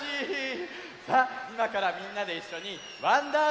さあいまからみんなでいっしょに「わんだぁ！